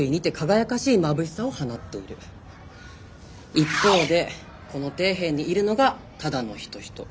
一方でこの底辺にいるのが只野仁人。